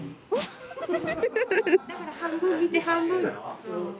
・だから半分見て半分。